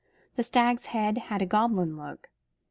The stags' heads had a goblin look.